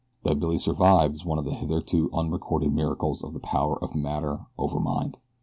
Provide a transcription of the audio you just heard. That Billy survived is one of the hitherto unrecorded miracles of the power of matter over mind.